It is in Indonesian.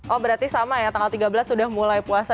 oh berarti sama ya tanggal tiga belas sudah mulai puasa